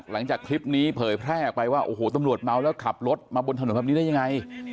หลังจากคลิปนี้เผยแพร่ออกไปว่าโอ้โหตำรวจเมาแล้วขับรถมาบนถนนแบบนี้ได้ยังไง